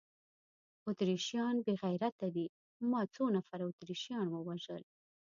اتریشیان بې غیرته دي، ما څو نفره اتریشیان ووژل؟